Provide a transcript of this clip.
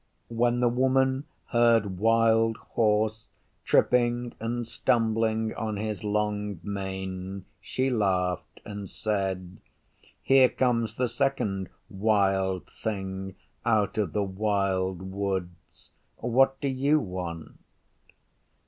When the Woman heard Wild Horse tripping and stumbling on his long mane, she laughed and said, 'Here comes the second. Wild Thing out of the Wild Woods what do you want?